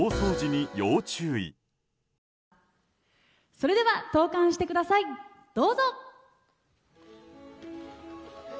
それでは投函してくださいどうぞ！